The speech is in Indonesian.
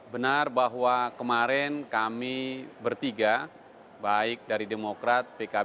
benar bahwa kemarin kami bertiga baik dari demokrat pkb